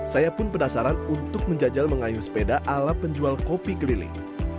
saya pun penasaran untuk menjajal mengayuh sepeda ala penjual kopi keliling